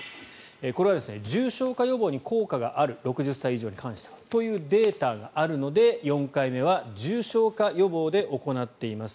これは重症化予防に効果がある６０歳以上に関してはというデータがあるので４回目は重症化予防で行っています。